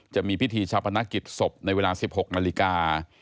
จะมีพิธีชาพนักกิจศพในเวลา๑๖นาฬิกา